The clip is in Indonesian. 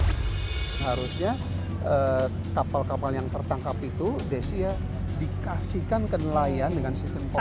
harusnya kapal kapal yang tertangkap itu desia dikasihkan kenelayan dengan sistem koperasi